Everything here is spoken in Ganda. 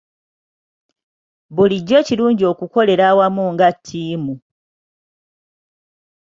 Bulijjo kirungi okukolera awamu nga ttiimu.